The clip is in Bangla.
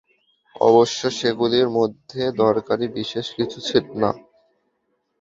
অবশ্য সেগুলির মধ্যে দরকারী বিশেষ কিছু ছিল না।